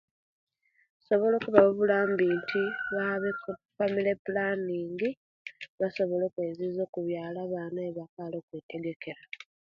Nsobola okubawa obulambi inti babeku omu famile pulaning basobole okweziza okubyala abaana e'bakali okwetegekera